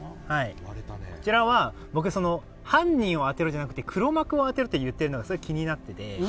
こちらは僕、犯人を当てるじゃなくて、黒幕を当てるって言ってるのが、それが気になってて。